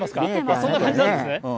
そんな感じですね。